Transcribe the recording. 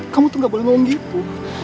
kamu tuh gak boleh ngomong gitu